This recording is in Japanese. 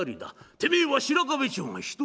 てめえは白壁町が１人だろ。